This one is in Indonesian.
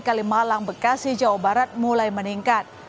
kalimalang bekasi jawa barat mulai meningkat